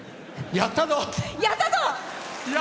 やったぞ！